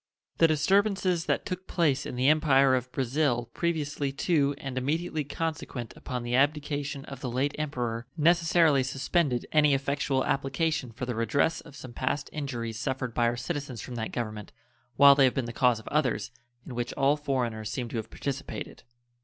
The disturbances that took place in the Empire of Brazil previously to and immediately consequent upon the abdication of the late Emperor necessarily suspended any effectual application for the redress of some past injuries suffered by our citizens from that Government, while they have been the cause of others, in which all foreigners seem to have participated.